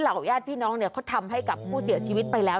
ญาติพี่น้องเนี่ยเขาทำให้กับผู้เสียชีวิตไปแล้ว